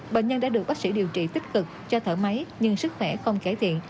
bệnh nhân đã được bác sĩ điều trị tích cực cho thở máy nhưng sức khỏe không cải thiện